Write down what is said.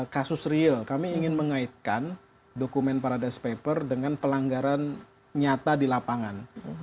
kasus real kami ingin mengaitkan dokumen para disk paper dengan pelanggaran nyata di lapangan